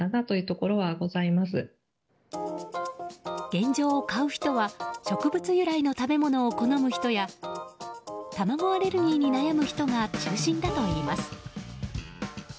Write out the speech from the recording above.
現状、買う人は植物由来の食べ物を好む人や卵アレルギーに悩む人が中心だといいます。